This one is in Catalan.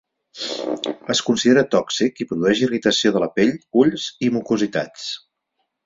Es considera tòxic i produeix irritació de la pell, ulls i mucositats.